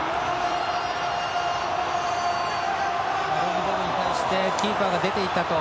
ああいうボールに対してキーパーが出て行ったと。